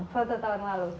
foto tahun lalu